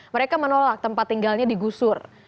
mereka menolak tempat tinggalnya digusur